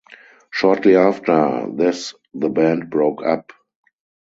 Shortly after this the band broke up.